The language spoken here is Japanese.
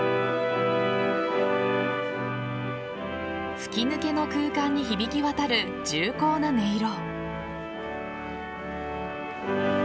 吹き抜けの空間に響き渡る重厚な音色。